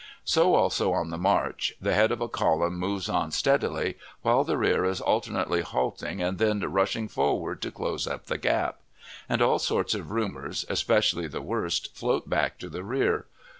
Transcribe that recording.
So also on the march, the head of a column moves on steadily, while the rear is alternately halting and then rushing forward to close up the gap; and all sorts of rumors, especially the worst, float back to the rear.